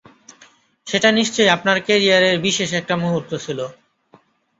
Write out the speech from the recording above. সেটা নিশ্চয়ই আপনার ক্যারিয়ারের বিশেষ একটা মুহূর্ত ছিল।